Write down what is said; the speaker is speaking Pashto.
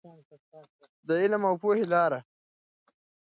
د علم او پوهې لاره.